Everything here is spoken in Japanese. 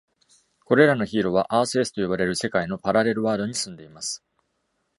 これらのヒーローは、Earth-S と呼ばれる世界のパラレルワードに住んでいます。